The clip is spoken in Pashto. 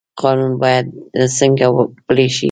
قانون باید څنګه پلی شي؟